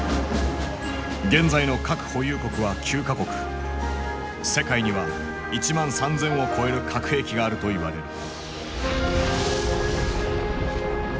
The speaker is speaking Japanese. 現在の世界には１万３，０００を超える核兵器があると言われる。